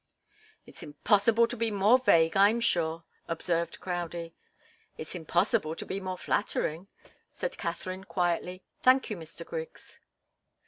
"It's impossible to be more vague, I'm sure," observed Crowdie. "It's impossible to be more flattering," said Katharine, quietly. "Thank you, Mr. Griggs."